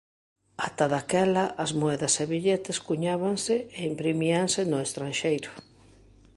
Ata daquela as moedas e billetes cuñábanse e imprimíanse no estranxeiro.